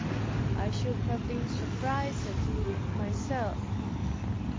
I should have been surprised at it myself.